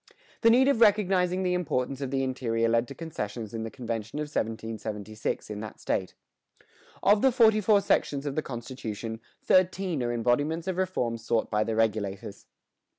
The need of recognizing the importance of the interior led to concessions in the convention of 1776 in that state. "Of the forty four sections of the constitution, thirteen are embodiments of reforms sought by the Regulators."